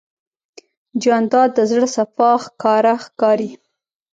جانداد د زړه صفا ښکاره ښکاري.